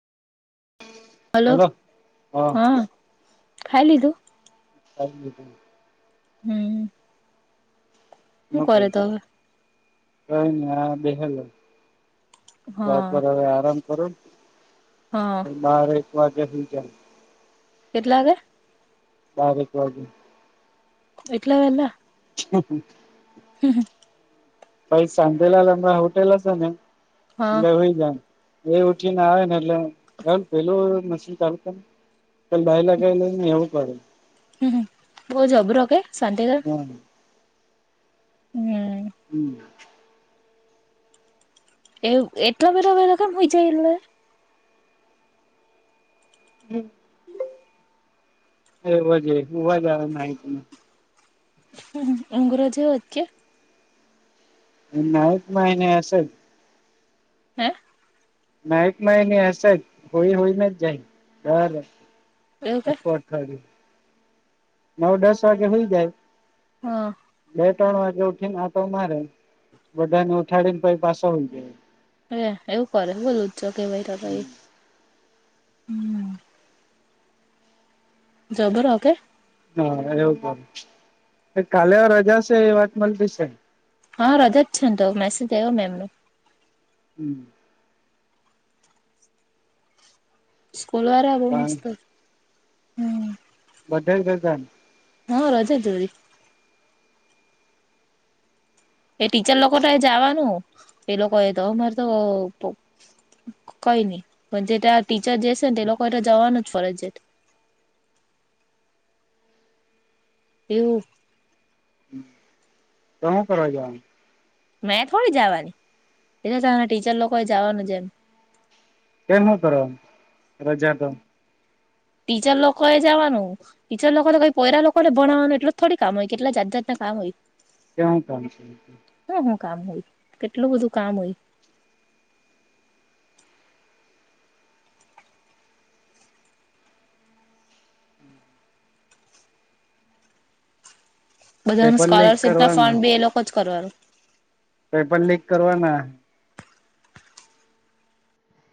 Hello હા ખાઈ લીધું? [inaudible] હમ્મ. મોક તો હવે કઈને આ બેહેલો. બર હા હવે આરામ કરો‌ હા. બાર એક વાગ્યા સુું [unintelligible] કેટલાગે? બારેક વાગે. એટલા વેલા. હમ હ હમ્મ હમ્મ. [unintelligible] હોટેલ છે ને હા એટલે હોય જ એ ઉઠીને આવે ને એટલે પેલું મશીન ચાલુ કર ને. [unintelligible] ભાઈલા ગય લ એવું પડે હમ હમ બહ જબરો કે [unintelligible] હા હમ્મ. હમ્મ. એવુ એટલો બધો વેલો કેમ પહોંચી જાય એ? હમ્મ. હુવા જ આવે નાઈટમાં. હમ ઊંઘરો જેવો છે કે, નાઈક મા [unintelligible] હે! નાઈક એની હશે જ હુય હુય ને જાય દર એવું કે વખતે. નવ દસ વાગે હુય જાય. હા. બે ત્રણ વાગે ઉઠી ને આટો મારે બધા ને ઉઠાડી ને પાસો હુય જાય. એ એવું કરે બો લુંચચો છું કહેવાય તો તો એ જબરો કે! હા એવું બ કાલે રજા છે એ વાત મળતી છે. હા રજા જ તો મ મેસેજ મેમ નો. હમ્મ. સ્કૂલ વારા બો પણ મસ્ત. હમ બધે જ રજા ને. હા રજા જ વરી. એ ટીચર લોકો તો જવાનું એ લોકો એ તો મારે તો કઈ નઈ પણ જે તં ટીચર જેશે ને તે લોકો એ તો જવાનું જ ફરજિયાત. એવૂ. તો હું કરવા જાવાનું. મેં થોડી જવાની એ તના ટીચર લોકો એ જવાનું એમ. કેમ હું કરવા રજા તો? ટીચર લોકો એ જવાનું. ટીચર લોકોને કઈ કોયરા લોકોને ભણવાનું એટલું થોડી કામય કેટલા જાત જાતના કામ હોય. કેવું કામ છે? હ હું કામ હોય કેટલું બધું કામ હોય. બધાનું પેપર લીક સ્કોલરશીપ ના કરવાના ફોર્મ બી એ લોકો જ કરવાનું. પેપર લીક કરવાના.